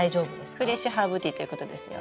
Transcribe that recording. フレッシュハーブティーということですよね？